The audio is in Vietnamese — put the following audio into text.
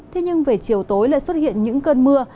thế nhưng về chiều tối lại xuất hiện những cơn mưa